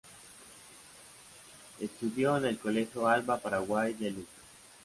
Estudió en el colegio Alba Paraguay de Luque.